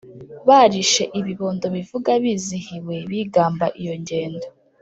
Barishe ibibondo Bivuga bizihiwe Bigamba iyo ngendo !